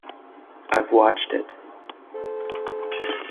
I've watched it.